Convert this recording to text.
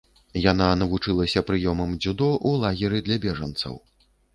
Яна навучылася прыёмам дзюдо ў лагеры для бежанцаў.